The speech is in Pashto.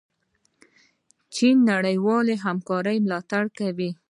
چین د نړیوالې همکارۍ ملاتړ کوي.